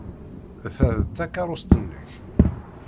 Ta d takeṛṛust-nnek?